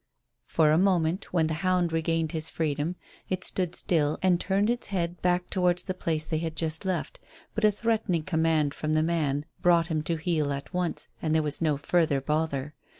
For a moment, when the hound regained its freedom, it stood still and turned its head back towards the place they had just left, but a threatening command from the man brought him to heel at once, and there was no further bother.